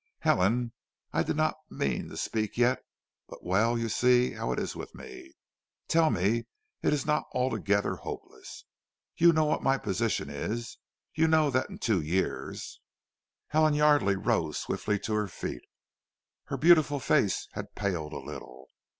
Helen, I did not mean to speak yet, but well, you see how it is with me! Tell me it is not altogether hopeless! You know what my position is; you know that in two years " Helen Yardely rose swiftly to her feet. Her beautiful face had paled a little.